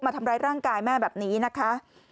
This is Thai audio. มาทำร้ายร่างกายแม่แบบนี้นะคะ